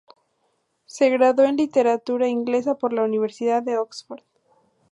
Se graduó en Literatura inglesa por la Universidad de Oxford.